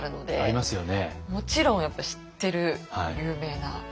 もちろんやっぱ知ってる有名な。